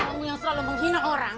kamu yang selalu menghina orang